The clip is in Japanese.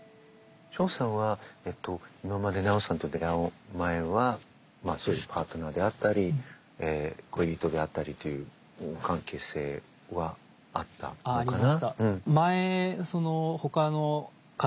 ショウさんは今までナオさんと出会う前はまあそういうパートナーであったり恋人であったりという関係性はあったのかな？